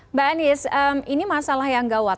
mbak anies ini masalah yang gawat